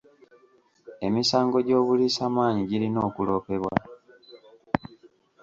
Emisango gy'obuliisamaanyi girina okuloopebwa.